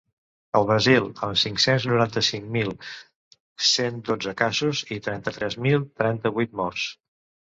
El Brasil, amb cinc-cents noranta-cinc mil cent dotze casos i trenta-tres mil trenta-vuit morts.